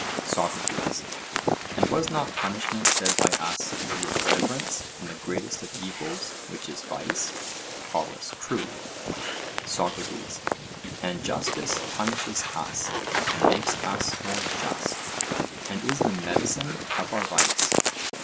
SOCRATES: And was not punishment said by us to be a deliverance from the greatest of evils, which is vice? POLUS: True. SOCRATES: And justice punishes us, and makes us more just, and is the medicine of our vice?